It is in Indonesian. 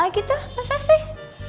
gitu masa sih